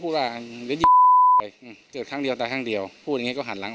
พูดว่าหรือเกิดครั้งเดียวตายครั้งเดียวพูดอย่างนี้ก็หันหลัง